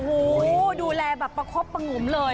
โอ้โหดูแลแบบประคบประงมเลย